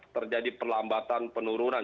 terjadi perlambatan penurunan